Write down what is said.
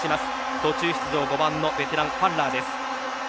途中出場５番のベテランファンラーです。